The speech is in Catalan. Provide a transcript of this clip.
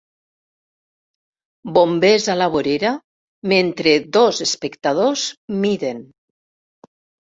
Bombers a la vorera mentre dos espectadors miren.